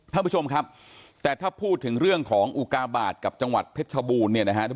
แต่ถ้าพูดถึงเรื่องของแอวกาบาทกับจังหวัดเพชรบูน